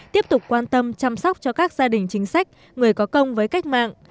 tiếp tục quan tâm chăm sóc cho các gia đình chính sách người có công với cách mạng